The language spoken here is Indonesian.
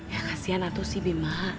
ya kasihan lah tuh si bima